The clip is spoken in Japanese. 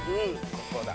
ここだ。